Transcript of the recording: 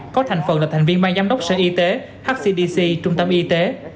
có thành phần là thành viên ban giám đốc sở y tế hcdc trung tâm y tế